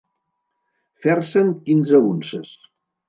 Fer-se'n quinze unces.